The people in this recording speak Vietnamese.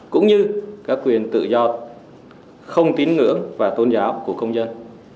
cũng như các quyền tự do không tín ngưỡng và tôn giáo của công dân